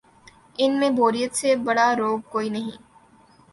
ان میں بوریت سے بڑا روگ کوئی نہیں۔